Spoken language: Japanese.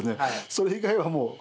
それ以外はもう。